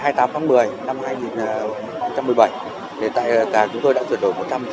thì tại cửa hàng của chúng tôi đã chuyển đổi